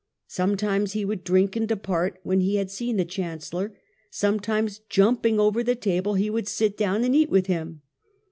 Sometimes he would drink and depart when he had seen the chancellor; sometimes jumping over the table he would sit down and eat with him.